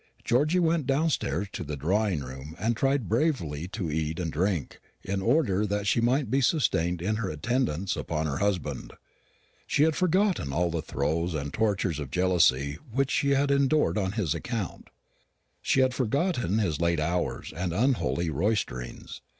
Georgy went downstairs to the drawing room, and tried bravely to eat and drink, in order that she might be sustained in her attendance upon her husband. She had forgotten all the throes and tortures of jealousy which she had endured on his account. She had forgotten his late hours and unholy roisterings.